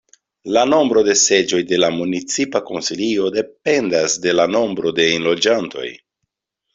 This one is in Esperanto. La nombro de seĝoj de la municipa Konsilio dependas de la nombro de enloĝantoj.